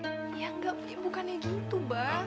ya bukannya gitu ba